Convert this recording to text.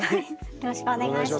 よろしくお願いします。